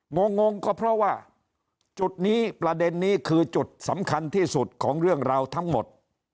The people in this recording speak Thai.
งงงก็เพราะว่าจุดนี้ประเด็นนี้คือจุดสำคัญที่สุดของเรื่องราวทั้งหมด